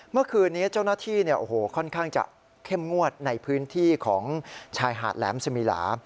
เมื่อคืนนี้เจ้าหน้าที่ค่อนข้างจะเข้มงวดในพื้นที่ของชายหาดแหลมสมีหลา